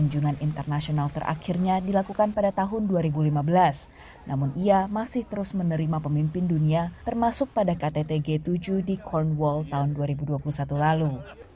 kunjungan internasional terakhirnya dilakukan pada tahun dua ribu lima belas namun ia masih terus menerima pemimpin dunia termasuk pada ktt g tujuh di cornwall tahun dua ribu dua puluh satu lalu